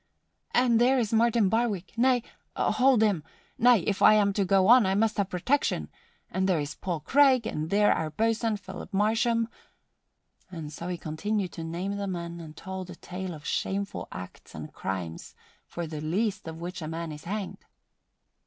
"And there is Martin Barwick nay, hold him! Nay, if I am to go on, I must have protection! and there Paul Craig and there our boatswain, Philip Marsham " And so he continued to name the men and told a tale of shameful acts and crimes for the least of which a man is hanged.